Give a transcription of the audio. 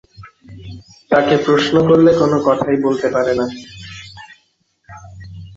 তাকে প্রশ্ন করলে কোনো কথাই বলতে পারে না।